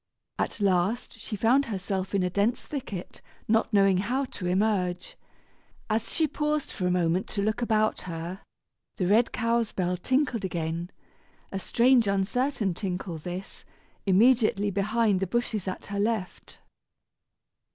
At last, she found herself in a dense thicket, not knowing how to emerge. As she paused for a moment to look about her, the red cow's bell tinkled again a strange uncertain tinkle this immediately behind the bushes at her left.